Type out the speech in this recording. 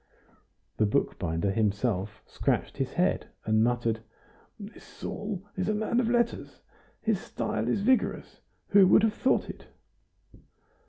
The bookbinder himself scratched his head and muttered: "This Saul is a man of letters; his style is vigorous! Who would have thought it?"